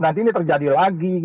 nanti ini terjadi lagi